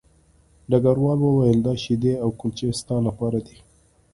ډګروال وویل دا شیدې او کلچې ستا لپاره دي